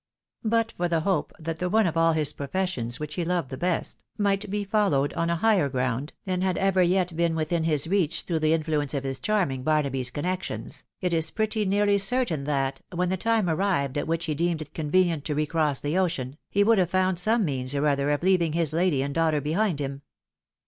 But for the hope that the one of all his professions which he loved the best, might be followed on a higher ground than had ever yet been within his reach through the influence of his charming Barnaby's connections, it is pretty nearly certain that, when the time arrived at which he deemed it convenient to recross the ocean, he would have found some means or other of leaving his lady and daughter behind him.